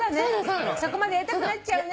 そこまでやりたくなっちゃうね。